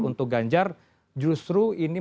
untuk ganjar justru ini